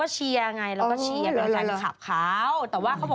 อุ๊ยน่ารักอ้ายชอบ